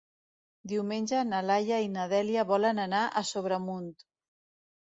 Diumenge na Laia i na Dèlia volen anar a Sobremunt.